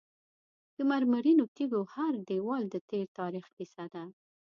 د مرمرینو تیږو هر دیوال د تیر تاریخ کیسه ده.